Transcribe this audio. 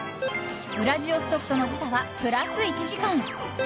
ウラジオストクとの時差はプラス１時間。